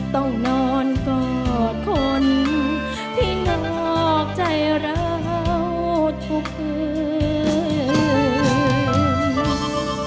ต้องนอนกอดคนที่เงาใจเราทุกคืน